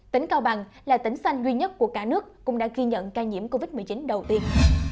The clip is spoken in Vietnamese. tỉnh cao bằng là tỉnh xanh duy nhất của cả nước cũng đã ghi nhận ca nhiễm covid một mươi chín đầu tiên